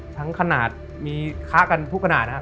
ทั้งขนาดมีค้ากันทุกขนาดนะครับ